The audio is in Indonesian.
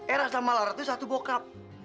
era sama laura tuh satu bokap